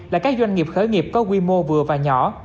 là các doanh nghiệp khởi nghiệp có quy mô vừa và nhỏ